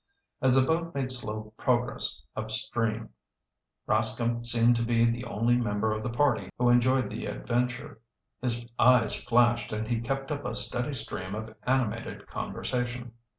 As the boat made slow progress upstream, Rascomb seemed to be the only member of the party who enjoyed the adventure. His eyes flashed and he kept up a steady stream of animated conversation.